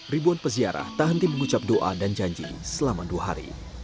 ribuan peziarah tak henti mengucap doa dan janji selama dua hari